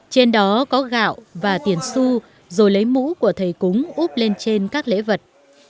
trên đó có gạo và tiền su rồi lấy mũ của thầy cúng úp lên trên các lễ vật